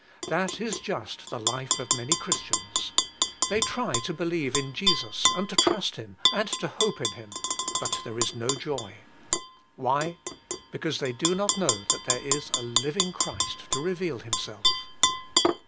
That is just the life of many Christians. They try to believe in Jesus and to trust Him, and to hope in Him, but there is no joy. Why? Because they do not know that there is a living Christ to reveal Himself.